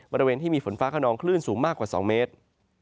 บริเวณที่มีฝนฟ้าขนองคลื่นสูงมากกว่า๒เมตร